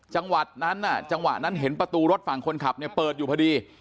จังหวัดนั้นจังหวะนั้นเห็นประตูรถฝั่งคนขับเนี่ยเปิดอยู่พอดี